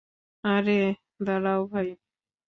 আরে, দাঁড়াও ভাই।